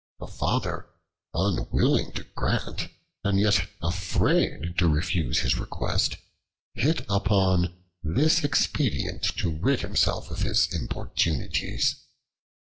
The Father, unwilling to grant, and yet afraid to refuse his request, hit upon this expedient to rid himself of his importunities.